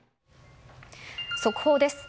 速報です。